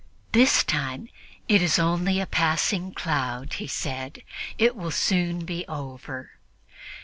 "This time it is only a passing cloud," he said; "it will soon be over."